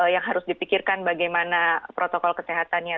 yang harus dipikirkan bagaimana protokol kesehatannya